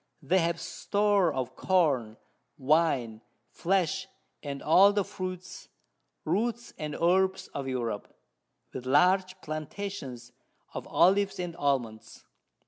They have Store of Corn, Wine, Flesh, and all the Fruits, Roots, and Herbs of Europe, with large Plantations of Olives and Almonds.